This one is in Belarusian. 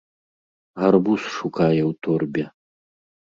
Гарбуз шукае ў торбе.